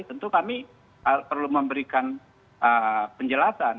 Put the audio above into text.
tentu kami perlu memberikan penjelasan